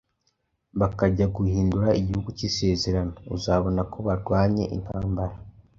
bakajya guhindura igihugu cy’isezerano, uzabona ko barwanye intambara